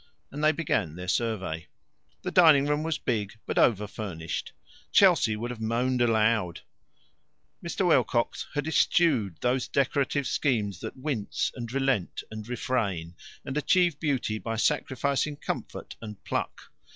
And they began their survey. The dining room was big, but over furnished. Chelsea would have moaned aloud. Mr. Wilcox had eschewed those decorative schemes that wince, and relent, and refrain, and achieve beauty by sacrificing comfort and pluck.